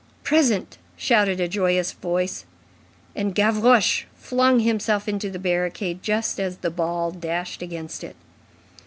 "Present!" shouted a joyous voice. And Gavroche flung himself into the barricade just as the ball dashed against it.